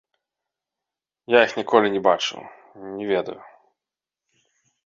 Я іх ніколі не бачыў, не ведаю.